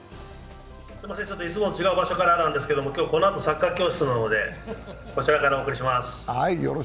すみません、いつもと違う場所からなんですけど今日このあとサッカー教室なのでこちらからお送りします。